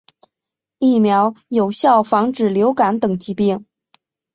疫苗有效防止流感等疾病。